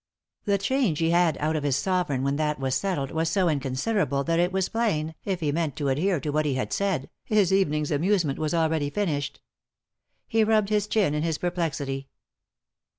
The change he had out of his sovereign when that was settled was so inconsiderable that it was plain, if he meant to adhere to what he had said, his evening's amuse ment was already finished. He rubbed bis chin in his perplexity.